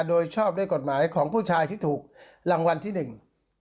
โดยชอบด้วยกฎหมายของผู้ชายที่ถูกรางวัลที่หนึ่ง